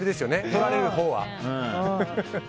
撮られるほうは。